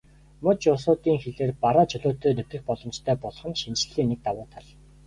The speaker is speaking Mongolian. Муж улсуудын хилээр бараа чөлөөтэй нэвтрэх боломжтой болох нь шинэчлэлийн нэг давуу тал.